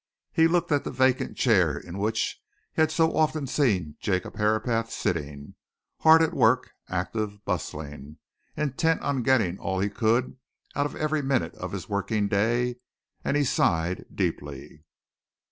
He looked at the vacant chair in which he had so often seen Jacob Herapath sitting, hard at work, active, bustling, intent on getting all he could out of every minute of his working day, and he sighed deeply.